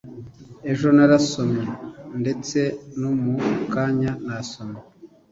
ejo narasomye ndetse no mu kanya nasomye